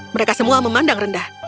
mereka semua memandang rendah